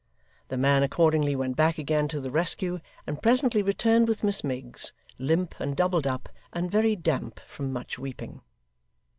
The man, accordingly, went back again to the rescue, and presently returned with Miss Miggs, limp and doubled up, and very damp from much weeping.